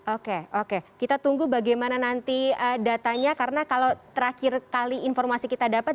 oke oke kita tunggu bagaimana nanti datanya karena kalau terakhir kali informasi kita dapat